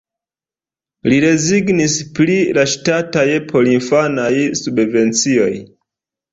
Li rezignis pri la ŝtataj porinfanaj subvencioj.